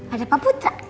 ada pak putra